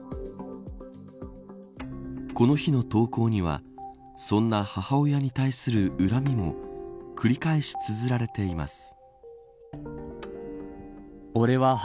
この日の投稿にはそんな母親に対する恨みも繰り返しつづられています。